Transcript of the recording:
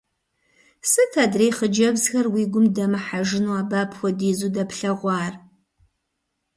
Сыт адрей хъыджэбзхэр уи гум дэмыхьэжыну, абы апхуэдизу дэплъэгъуар?